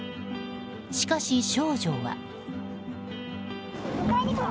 しかし、少女は。